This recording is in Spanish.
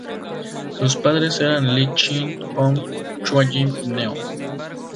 Sus padres eran Lee Chin Koon y Chua Jim Neo.